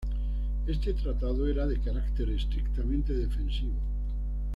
Este tratado era de carácter estrictamente defensivo.